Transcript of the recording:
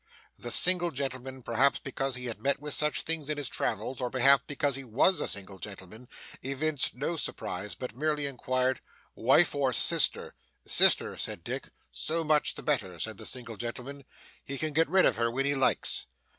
The single gentleman, perhaps because he had met with such things in his travels, or perhaps because he WAS a single gentleman, evinced no surprise, but merely inquired 'Wife or sister?' 'Sister,' said Dick. 'So much the better,' said the single gentleman, 'he can get rid of her when he likes.